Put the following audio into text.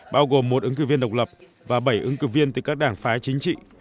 bao gồm một ứng cử viên độc lập và bảy ứng cử viên từ các đảng phái chính trị